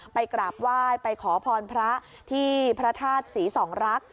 กราบไหว้ไปขอพรพระที่พระธาตุศรีสองรัก